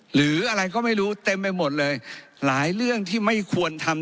หรืออะไรก็ไม่รู้เต็มไปหมดเลยหลายเรื่องที่ไม่ควรทำ